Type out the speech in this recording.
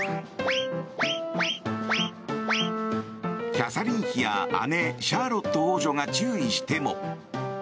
キャサリン妃や姉シャーロット王女が注意しても。